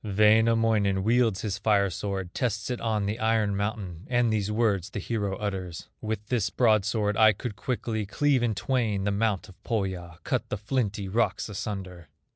Wainamoinen wields his fire sword, Tests it on the iron mountain, And these words the hero utters: "With this broadsword I could quickly Cleave in twain the mount of Pohya, Cut the flinty rocks asunder."